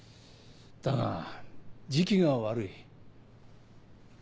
だが時期が悪い。